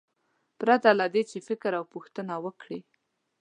پرته له دې چې فکر او پوښتنه وکړي.